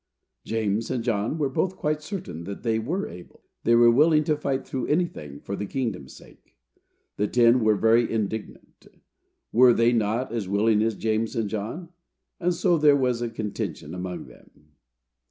James and John were both quite certain that they were able. They were willing to fight through anything for the kingdom's sake. The ten were very indignant. Were they not as willing as James and John? And so there was a contention among them.